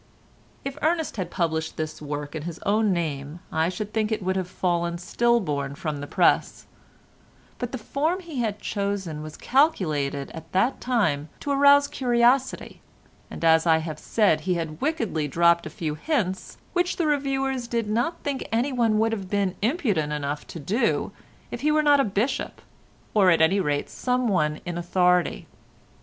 If Ernest had published this work in his own name I should think it would have fallen stillborn from the press, but the form he had chosen was calculated at that time to arouse curiosity, and as I have said he had wickedly dropped a few hints which the reviewers did not think anyone would have been impudent enough to do if he were not a bishop, or at any rate some one in authority.